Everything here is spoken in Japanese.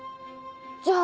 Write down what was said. じゃあ。